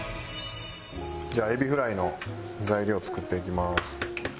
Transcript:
じゃあエビフライの材料作っていきます。